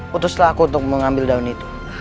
putuslah aku untuk mengambil daun itu